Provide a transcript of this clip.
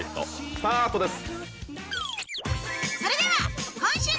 スタートです。